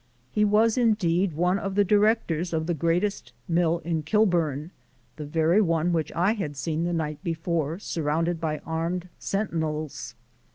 He was, indeed, one of the directors of the greatest mill in Kilburn the very one which I had seen the night before surrounded by armed sentinels.